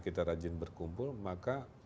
kita rajin berkumpul maka